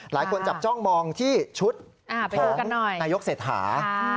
หลายคนจับจ้องมองที่ชุดของนายกเศรษฐา